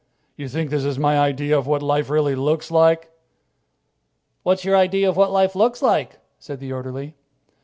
"You think this is my idea of what life really looks like?" "What's your idea of what life looks like?" said the orderly.